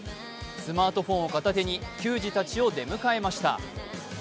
スマートフォンを片手に、球児たちを出迎えました。